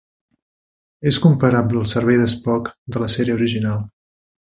És comparable al cervell de Spock de la sèrie original.